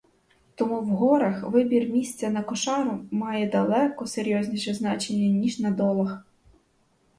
Тому в горах вибір місця на кошару має далеко серйозніше значення, ніж на долах.